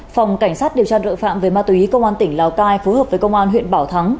phòng cảnh sát điều tra tội phạm về ma túy công an tỉnh lào cai phối hợp với công an huyện bảo thắng